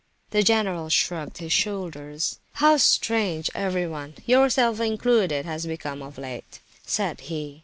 The general shrugged his shoulders. "How strange everyone, yourself included, has become of late," said he.